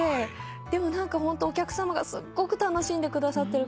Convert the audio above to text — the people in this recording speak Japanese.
でもホントお客さまがすっごく楽しんでくださってる感じとか。